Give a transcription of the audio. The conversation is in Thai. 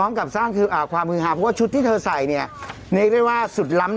แม่มะม่วงอบรองนะครับครับ